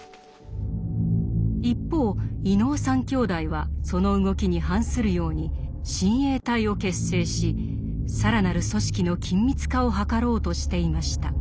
一方伊能三兄弟はその動きに反するように親衛隊を結成し更なる組織の緊密化を図ろうとしていました。